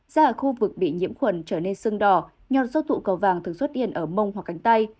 da ở khu vực bị nhiễm khuẩn trở nên sưng đỏ nhọt do tụ cầu vang thường xuất hiện ở mông hoặc cánh tay